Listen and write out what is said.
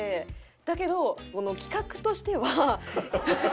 だけど企画としては。